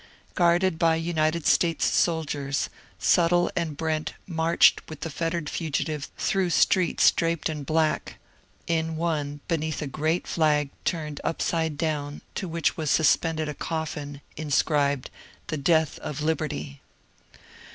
Guarded by United States soldiers, Suttle and Brent marched with the fettered fugitive through streets draped in black, in one beneath a great flag turned upside down to which was suspended a coffin inscribed, " The Death of Liberty."